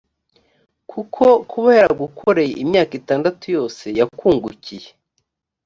kuko kuba yaragukoreye imyaka itandatu yose, yakungukiye